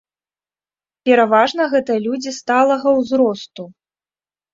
Пераважна гэта людзі сталага ўзросту.